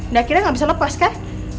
nah akhirnya gak bisa lepas kan